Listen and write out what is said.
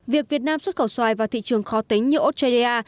việc việt nam xuất khẩu xoài vào thị trường khó tính như australia